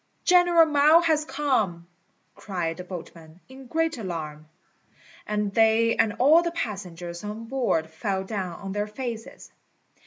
"General Mao has come," cried the boatmen, in great alarm; and they and all the passengers on board fell down on their faces.